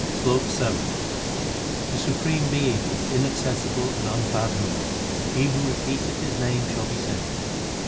SLOK VII The supreme Being is inaccessible and unfathomable ; He who repeat eth His name shall be saved.